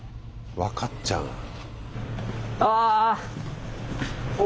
分かっちゃう。